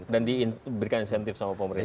dan diberikan insentif sama pemerintah